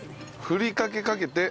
ふりかけかけて。